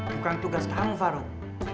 bukan tugas kamu farouk